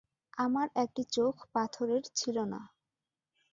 আমার একটি চোখ পাথরের ছিল না।